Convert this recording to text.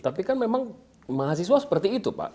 tapi kan memang mahasiswa seperti itu pak